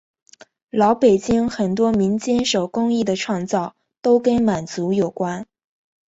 老北京很多民间手工艺的创造都跟满族有关。